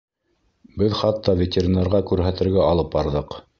Беҙ хатта ветеринарға күрһәтергә алып барҙыҡ.